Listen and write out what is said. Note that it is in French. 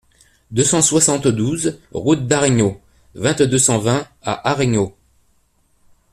deux cent soixante-douze route d'Aregno, vingt, deux cent vingt à Aregno